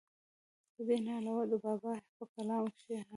دې نه علاوه د بابا پۀ کلام کښې هم